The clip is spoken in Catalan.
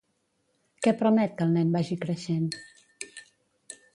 Què permet que el nen vagi creixent?